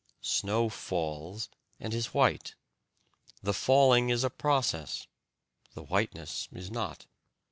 Snow falls, and is white; the falling is a process, the whiteness is not.